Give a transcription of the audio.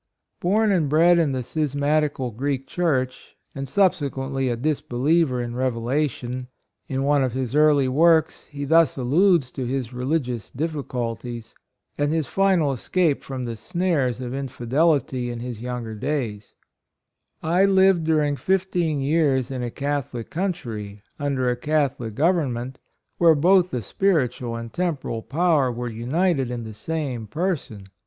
Born and bred in the schismati cal Greek Church, and subsequently a disbeliever in revelation, in one of his early works, he thus alludes to his religious difficulties, and his final escape from the snares of infi delity in his younger days —" I lived during fifteen years in a Cath olic country, under a Catholic gov ernment, where both the spiritual 28 HIS BIRTH, EDUCATION. and temporal power were united in the same person.